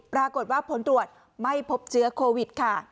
ปรากฏว่าผลตรวจไม่พบเชื้อโควิดค่ะ